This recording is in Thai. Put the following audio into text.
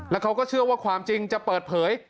แล้วเขาก็เชื่อว่าความจริงจะเปิดเผย